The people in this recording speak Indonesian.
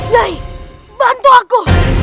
nih bantu aku